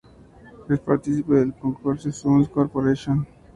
Es participe del consorcio Suns Corporation.